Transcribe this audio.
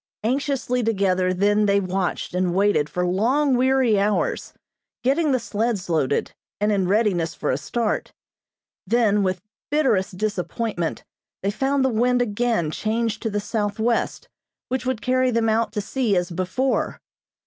Anxiously together then they watched and waited for long, weary hours, getting the sleds loaded, and in readiness for a start; then, with bitterest disappointment, they found the wind again changed to the southwest, which would carry them out to sea as before.